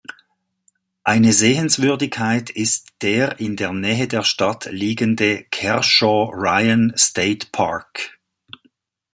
Eine Sehenswürdigkeit ist der in der Nähe der Stadt liegende Kershaw-Ryan State Park.